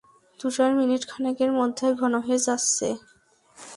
তুষার মিনিটখানেকের মধ্যেই ঘন হয়ে যাচ্ছে।